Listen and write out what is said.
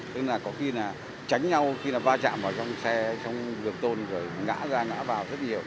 tức là có khi là tránh nhau khi là va chạm vào trong xe trong đường tôn rồi ngã ra ngã vào rất nhiều